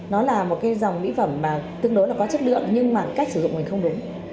nó là một cái dòng mỹ phẩm mà tương đối là có chất lượng nhưng mà cách sử dụng mình không đúng